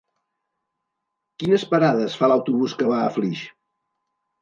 Quines parades fa l'autobús que va a Flix?